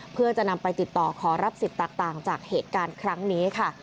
เพื่อจะนำไปติดต่อขอรับสิทธิ์แตกต่างจากเหตุการณ์ครั้งนี้ค่ะ